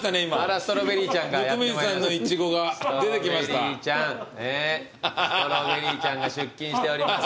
ストロベリーちゃんが出勤しております。